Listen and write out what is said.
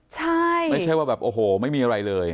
ใช่ไม่ใช่ว่าแบบโอ้โหไม่มีอะไรเลย